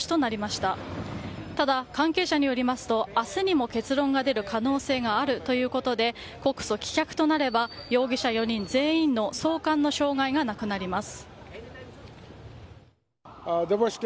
ただ、関係者によりますと明日にも結論が出る可能性があるということで告訴棄却となれば容疑者４人全員の送還の障害がなくなります。